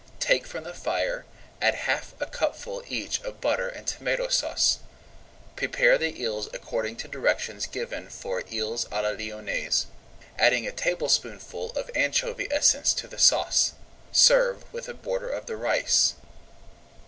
Take from the fire, add half a cupful each of butter and Tomato Sauce. Prepare the eels according to directions given for Eels à la Lyonnaise, adding a tablespoonful of anchovy essence to the sauce. Serve with a border of the rice.